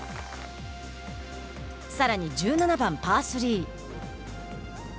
さらに１７番パー３。